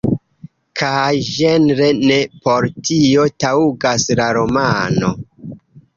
Kaj ĝenre ne por tio taŭgas la romano.